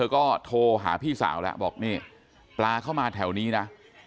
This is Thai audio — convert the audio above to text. ก็โทรหาพี่สาวแล้วบอกนี่ปลาเข้ามาแถวนี้นะ